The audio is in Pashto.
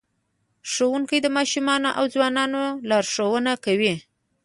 ښوونکی د ماشومانو او ځوانانو لارښوونه کوي.